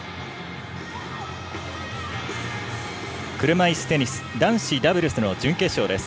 車いすテニス男子ダブルスの準決勝です。